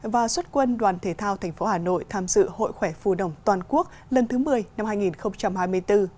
và xuất quân đoàn thể thao tp hà nội tham dự hội khỏe phù đồng toàn quốc lần thứ một mươi năm hai nghìn hai mươi bốn